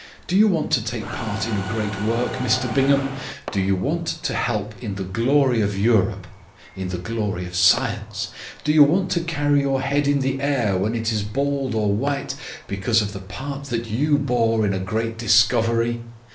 Do you want to take part in a great work, Mr Bingham? Do you want to help in the glory of Europe in the glory of science? Do you want to carry your head in the air when it is bald or white because of the part that you bore in a great discovery?